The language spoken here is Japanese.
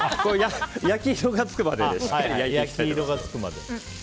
焼き色がつくまでしっかり焼いていきます。